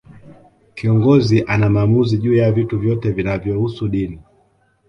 Kiongozi ana maamuzi juu ya vitu vyote vinavyohusu dini